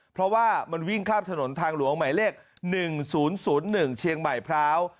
เพราะว่ามันวิ่งข้ามถนนทางหลวงใหม่เลขหนึ่งศูนย์ศูนย์หนึ่งเชียงใหม่พร้าว